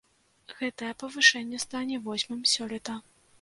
Гэтае павышэнне стане восьмым сёлета.